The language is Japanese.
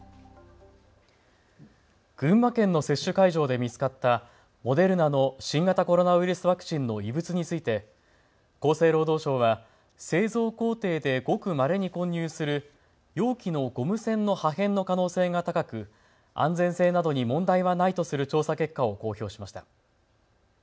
群馬県の接種会場で見つかったモデルナの新型コロナウイルスワクチンの異物について厚生労働省は製造工程でごくまれに混入する容器のゴム栓の破片の可能性が高く安全性などに問題はないとする調査結果を公表しました。